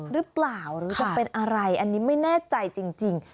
หรือเปล่าหรือจะเป็นอะไรอันนี้ไม่แน่ใจจริง